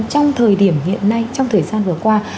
trong thời điểm hiện nay trong thời gian vừa qua